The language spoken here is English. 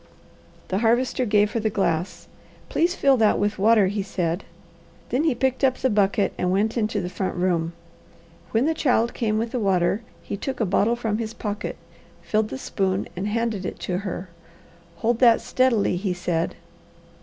The Harvester gave her the glass. "Please fill that with water," he said. Then he picked up the bucket and went into the front room. When the child came with the water he took a bottle from his pocket, filled the spoon, and handed it to her. "Hold that steadily," he said.